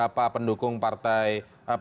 ada datang kritik juga di jawa timur